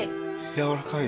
やわらかい。